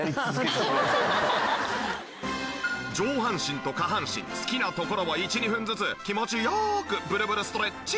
上半身と下半身好きなところを１２分ずつ気持ち良くブルブルストレッチ！